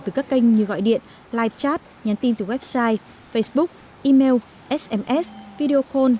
từ các kênh như gọi điện live park nhắn tin từ website facebook email sms video call